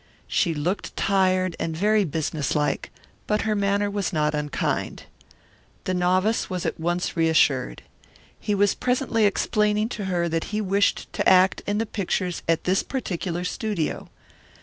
She looked tired and very businesslike, but her manner was not unkind. The novice was at once reassured. He was presently explaining to her that he wished to act in the pictures at this particular studio.